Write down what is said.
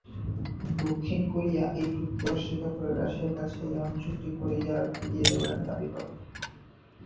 দক্ষিণ কোরিয়া এই চুক্তি অস্বীকার করে রাশিয়ার কাছে এই অঞ্চলটি কোরিয়ায় ফিরিয়ে দেওয়ার দাবি করে।